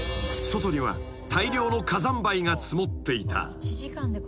［外には大量の火山灰が積もっていた］